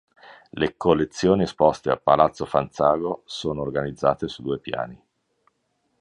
Le collezioni esposte a Palazzo Fanzago sono organizzate su due piani.